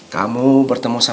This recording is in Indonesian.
kamu bertemu sama saya